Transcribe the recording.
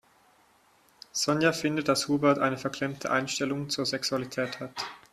Sonja findet, dass Hubert eine verklemmte Einstellung zur Sexualität hat.